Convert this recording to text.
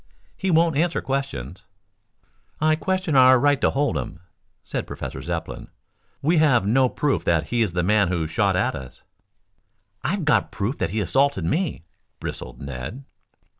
"He won't answer questions." "I question our right to hold him," said Professor Zepplin. "We have no proof that he is the man who shot at us." "I've got proof that he assaulted me," bristled Ned.